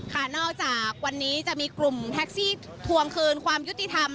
นอกจากวันนี้จะมีกลุ่มแท็กซี่ทวงคืนความยุติธรรม